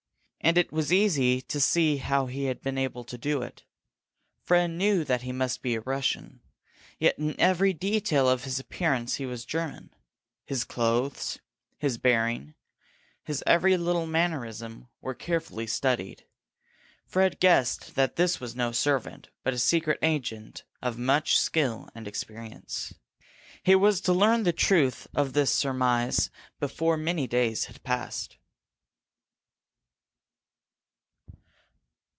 And it was easy to see how he had been able to do it. Fred knew that he must be a Russian. Yet in every detail of his appearance he was German. His clothes, his bearing, his every little mannerism, were carefully studied. Fred guessed that this was no servant, but a secret agent of much skill and experience. He was to learn the truth of his surmise before many days had passed.